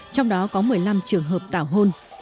trong đó có một mươi năm trường hợp tảo hôn